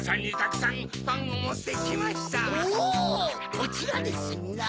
こちらですな。